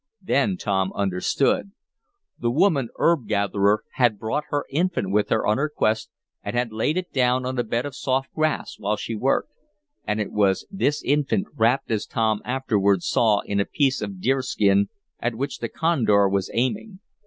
Then Tom understood. The woman herb gatherer had brought her infant with her on her quest, and had laid it down on a bed of soft grass while she worked. And it was this infant, wrapped as Tom afterward saw in a piece of deer skin, at which the condor was aiming.